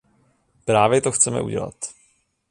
Právě to chceme udělat.